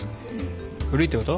古いってこと？